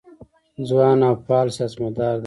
ځوان او فعال سیاستمدار دی.